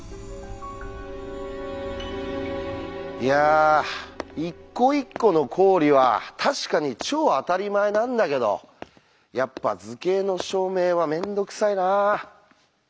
いや一個一個の公理は確かに超あたりまえなんだけどやっぱ図形の証明はめんどくさいなあ。